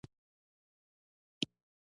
رزق د خدای په لاس کې دی